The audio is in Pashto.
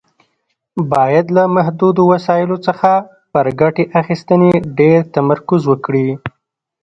باید له محدودو وسایلو څخه پر ګټې اخیستنې ډېر تمرکز وکړي.